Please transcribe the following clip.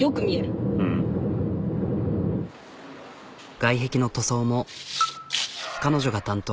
外壁の塗装も彼女が担当。